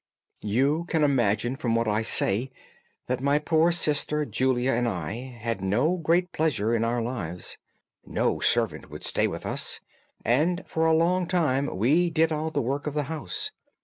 "You can imagine from what I say that my poor sister Julia and I had no great pleasure in our lives. No servant would stay with us, and for a long time we did all the work of the house.